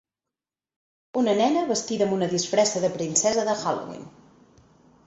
Una nena vestida amb una disfressa de princesa de Halloween.